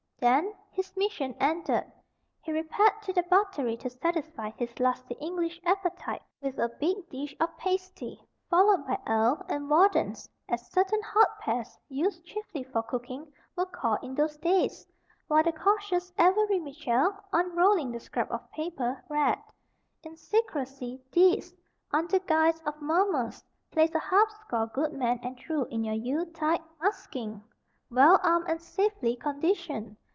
Then, his mission ended, he repaired to the buttery to satisfy his lusty English appetite with a big dish of pasty, followed by ale and "wardens" (as certain hard pears, used chiefly for cooking, were called in those days), while the cautious Avery Mitchell, unrolling the scrap of paper, read: "In secrecy, THESE: Under guise of mummers place a half score good men and true in your Yule tide maskyng. Well armed and safely conditioned.